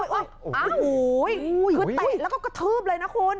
โอ้โหคือเตะแล้วก็กระทืบเลยนะคุณ